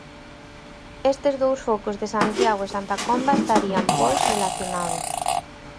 Estes dous focos de Santiago e Santa Comba estarían, pois, relacionados.